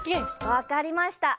わかりました。